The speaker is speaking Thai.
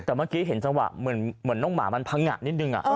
แต่เมื่อกี้เห็นจังหวะเหมือนน้องหมามันพังงะนิดนึง